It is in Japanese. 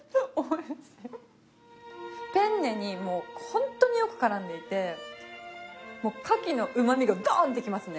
ペンネにもうホントによく絡んでいてもうカキのうまみがドーンってきますね。